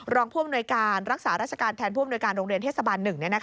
รองผู้อำนวยการรักษาราชการแทนผู้อำนวยการโรงเรียนเทศบาล๑